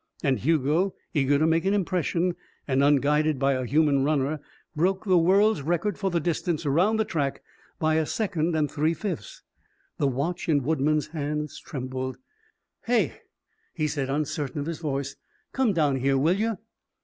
And Hugo, eager to make an impression and unguided by a human runner, broke the world's record for the distance around the track by a second and three fifths. The watch in Woodman's hands trembled. "Hey!" he said, uncertain of his voice, "come down here, will you?"